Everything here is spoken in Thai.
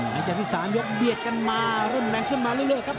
หลังจากที่๓ยกเบียดกันมารุ่นแรงขึ้นมาเรื่อยครับ